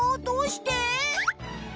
どうして？